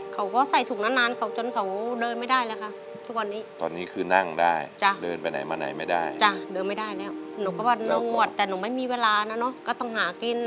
ก็ฉี่ไม่ออกต้องใส่ถุงเดี๋ยวติดเชื้อเดี๋ยวติดเชื้อเดี๋ยวหาหมอด้วย